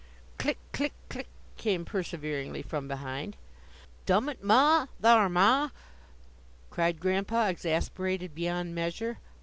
"Click! click! click!" came perseveringly from behind. "Dum it, ma! thar', ma!" cried Grandpa, exasperated beyond measure.